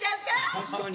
確かに。